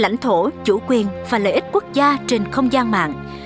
lãnh thổ chủ quyền và lợi ích quốc gia trên không gian mạng